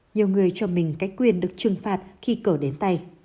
nhiều người cho mình cách quyền được trừng phạt khi cờ đến tay